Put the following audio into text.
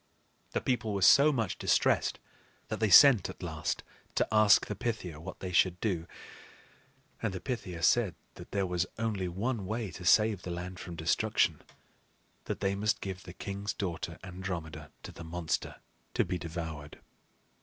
The people were so much distressed that they sent at last to ask the Pythia what they should do; and the Pythia said that there was only one way to save the land from destruction, that they must give the king's daughter, Andromeda, to the monster to be devoured.